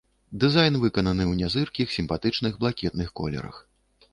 Дызайн выкананы ў нязыркіх сімпатычных блакітных колерах.